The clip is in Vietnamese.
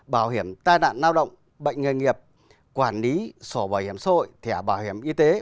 bảo hiểm tai nạn lao động bệnh nghề nghiệp quản lý sổ bảo hiểm xã hội thẻ bảo hiểm y tế